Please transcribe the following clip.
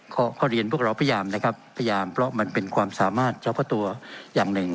ก็เรียนพวกเราพยายามนะครับพยายามเพราะมันเป็นความสามารถเฉพาะตัวอย่างหนึ่ง